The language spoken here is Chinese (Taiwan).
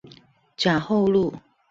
甲后路